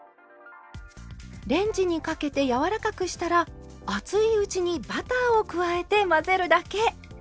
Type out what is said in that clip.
レンジにかけて柔らかくしたら熱いうちにバターを加えて混ぜるだけ。